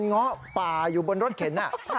ง้อป่าอยู่บนรถเข็น